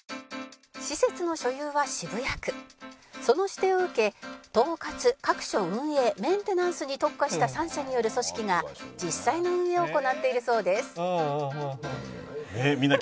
「施設の所有は渋谷区」「その指定を受け統括各所運営メンテナンスに特化した３社による組織が実際の運営を行っているそうです」なんだ？